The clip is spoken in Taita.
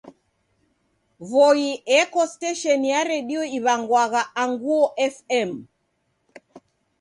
Voi eko stesheni ya redio iw'angwagha Anguo FM.